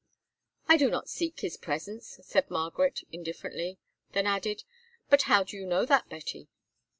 "I do not seek his presents," said Margaret indifferently; then added, "But how do you know that, Betty?"